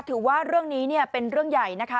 ถือว่าเรื่องนี้เป็นเรื่องใหญ่นะคะ